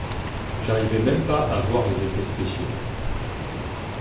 J'arrivais même pas à voir les effets spéciaux.